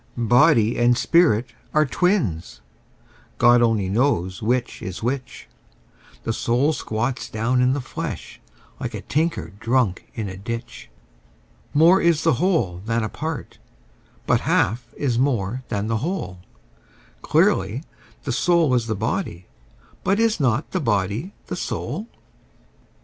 Body and spirit are twins: God only knows which is which: The soul squats down in the flesh, like a tinker drunk in a ditch. More is the whole than a part: but half is more than the whole: Clearly, the soul is the body: but is not the body the soul?